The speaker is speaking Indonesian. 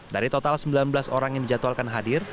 dari total sembilan belas orang yang dijadwalkan hadir